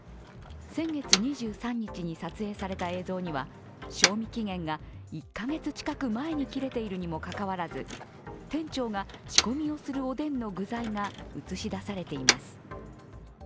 先月２３日に撮影された映像には、賞味期限が１カ月近く前に切れているにもかかわらず店長が仕込みをするおでんの具材が映し出されています。